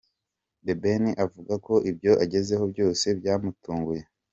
The Ben avuga ko ibyo agezeho byose byamutunguye.